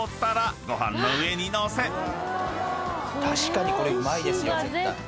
確かにこれうまいですよ絶対。